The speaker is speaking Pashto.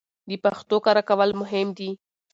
د پښتو کره کول مهم دي